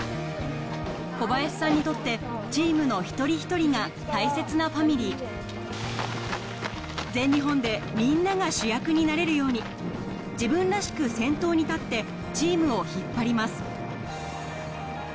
小林さんにとってチームの一人一人が大切なファミリー全日本でみんなが主役になれるように自分らしく先頭に立ってチームを引っ張ります